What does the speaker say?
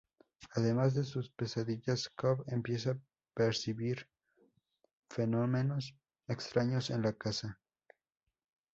Además de sus pesadillas, Cobb empieza a percibir fenómenos extraños en la casa.